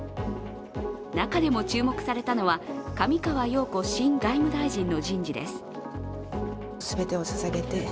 中でも注目されたのは上川陽子新外務大臣の人事です。